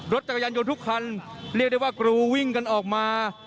เรียกได้ว่ากรูวิ่งกันออกมา